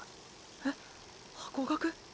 えっハコガク？